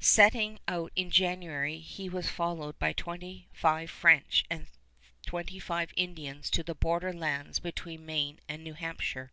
Setting out in January, he was followed by twenty five French and twenty five Indians to the border lands between Maine and New Hampshire.